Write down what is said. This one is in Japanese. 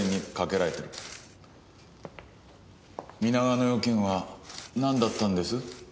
皆川の用件はなんだったんです？